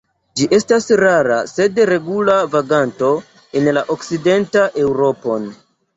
Ĝi estas rara sed regula vaganto en okcidentan Eŭropon.